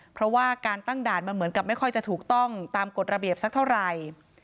เพราะว่าการตั้งด่านมันเหมือนกับไม่ค่อยจะถูกต้องตามกฎระเบียบสักเท่าไหร่